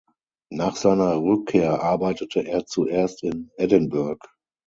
Nach seiner Rückkehr arbeitete er zuerst in Edinburgh.